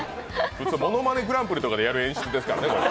ものまねグランプリとかでやる演出ですからね。